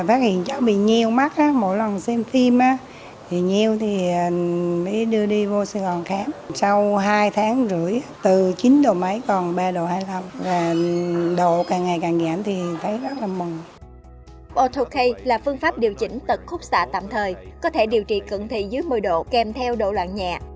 auto k là phương pháp điều chỉnh tật khúc xạ tạm thời có thể điều trị cận thị dưới một mươi độ kèm theo độ loạn nhẹ